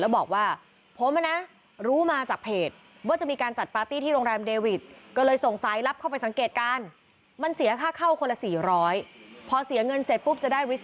แล้วบอกว่าผมรู้มาจากเพจ